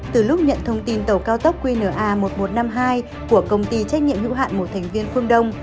từ lúc nhận thông tin tàu cao tốc qna một nghìn một trăm năm mươi hai của công ty trách nhiệm hữu hạn một thành viên phương đông